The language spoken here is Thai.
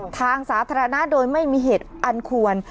ทางสาธารณะโดยไม่มีเหตุอันควร